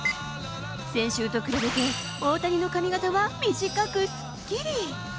先週と比べて、大谷の髪形は短くすっきり。